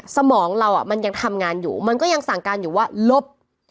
สมองเรามันยังทำงานอยู่มันก็ยังสั่งการอยู่ว่าลบ